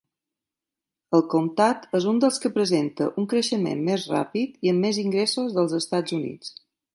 El comtat és un dels que presenta un creixement més ràpid i amb més ingressos dels Estats Units.